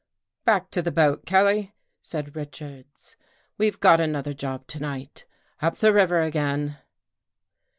" Back to the boat, Kelly," said Richards. " We've got another job to night. Up the river again."